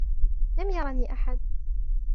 لم يرني أحد.